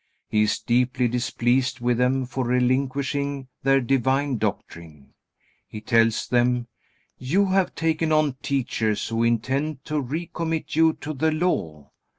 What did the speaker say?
He is deeply displeased with them for relinquishing their divine doctrine. He tells them: "You have taken on teachers who intend to recommit you to the Law.